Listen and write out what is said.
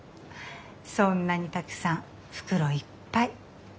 そんなにたくさん袋いっぱい。